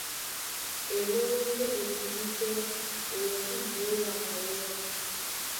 Elélómbé é sibí tɛ́ é yɔkí jǒla ka wéá.